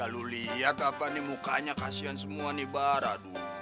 lo liat apa nih mukanya kasihan semua nih bara dulu